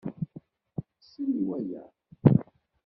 Sel i waya.